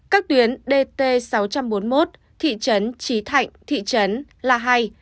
các tuyến dt sáu trăm bốn mươi một thị trấn trí thạnh thị trấn la hay